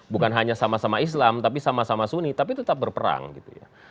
bukan hanya sama sama islam tapi sama sama suni tapi tetap berperang gitu ya